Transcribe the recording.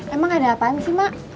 emang ada apaan sih mak